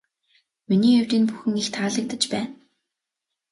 Миний хувьд энэ бүхэн их таалагдаж байна.